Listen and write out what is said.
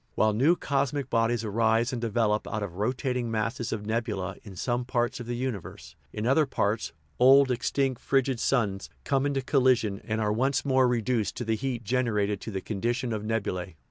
While new cosmic bodies arise and develop out of ro tating masses of nebula in some parts of the universe, in other parts old, extinct, frigid suns come into colli sion, and are once more reduced by the heat generated to the condition of nebulae.